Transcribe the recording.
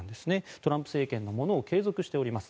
トランプ政権のものを継続しています。